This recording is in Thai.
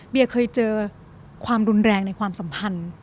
เคยเจอความรุนแรงในความสัมพันธ์